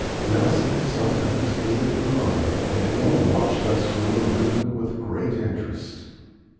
Mousie sometimes aided her mother, and again watched us from the window with great interest.